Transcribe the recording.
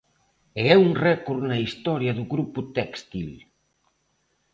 E é un récord na historia do grupo téxtil.